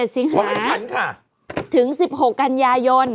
๑๗สิงหาถึง๑๖กันยายน